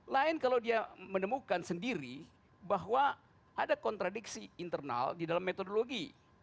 lain kalau dia menemukan sendiri bahwa ada kontradiksi internal di dalam metodologi